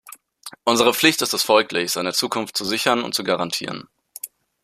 Unsere Pflicht ist es folglich, seine Zukunft zu sichern und zu garantieren.